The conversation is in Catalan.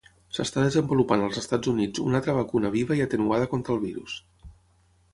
S'està desenvolupant als Estats Units una altra vacuna viva i atenuada contra el virus.